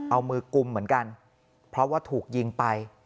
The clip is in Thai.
เอามือกุมเหมือนกันเพราะว่าถูกยิงไป